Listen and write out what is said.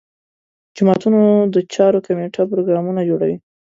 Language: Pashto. جوماتونو د چارو کمیټه پروګرامونه جوړوي.